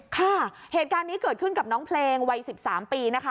ค่ะเหตุการณ์นี้เกิดขึ้นกับน้องเพลงวัย๑๓ปีนะคะ